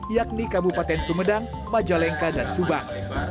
yakni kabupaten sumedang majalengka dan subang